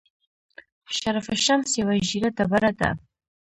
شرف الشمس یوه ژیړه ډبره ده.